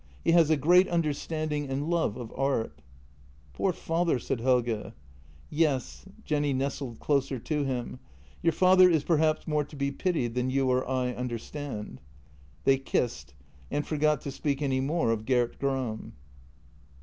He has a great understanding and love of art." " Poor father !" said Helge. " Yes "— Jenny nestled closer to him —" your father is per haps more to be pitied than you or I understand." They kissed — and forgot to speak any more of Gert Gram.